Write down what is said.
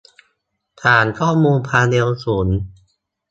ฐานข้อมูลความเร็วสูง